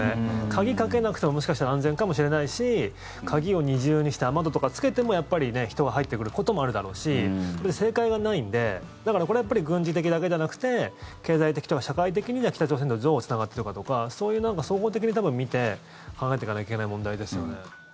鍵かけなくてももしかしたら安全かもしれないし鍵を二重にして雨戸とかつけてもやっぱり人が入ってくることもあるだろうし正解がないので、だからこれはやっぱり軍事的だけじゃなくて経済的とか社会的に北朝鮮とどうつながってるかとかそういう、総合的に多分見て考えていかなきゃいけない問題ですよね。